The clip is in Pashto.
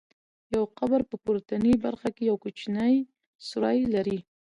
یو قبر په پورتنۍ برخه کې یو کوچنی سوری لري.